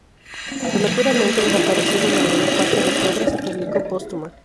Prematuramente desaparecido, la mayor parte de su obra se publicó póstuma.